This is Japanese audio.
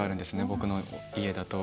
僕の家だと。